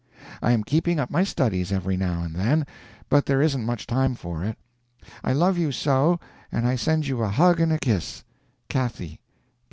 I am keeping up my studies every now and then, but there isn't much time for it. I love you so! and I send you a hug and a kiss. CATHY.